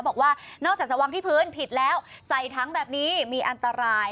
บอกว่านอกจากจะวางที่พื้นผิดแล้วใส่ถังแบบนี้มีอันตราย